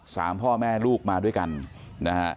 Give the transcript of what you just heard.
สามพ่อแม่ลูกมาด้วยกันนะครับ